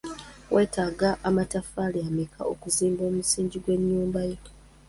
Weetaaga amataffaali ameka okuzimba omusingi gw'ennyumba yo?